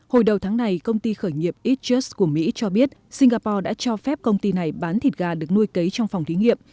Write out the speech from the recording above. hồi đầu tháng này công ty khởi nghiệp eadjust của mỹ cho biết singapore đã cho phép công ty này bán thịt gà được nuôi cấy trong phòng thí nghiệm